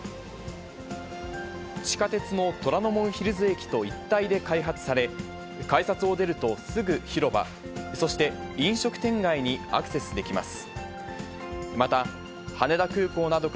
地下鉄の虎ノ門ヒルズ駅と一体で開発され、改札を出ると、すぐ広場、そして飲食店街にアクセスできます。